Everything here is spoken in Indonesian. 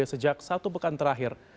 sejak satu pekan terakhir